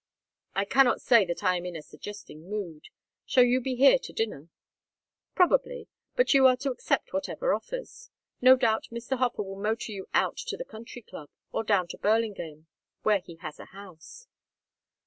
"I cannot say that I am in a suggesting mood. Shall you be here to dinner?" "Probably. But you are to accept whatever offers. No doubt Mr. Hofer will motor you out to the Country Club or down to Burlingame, where he has a house."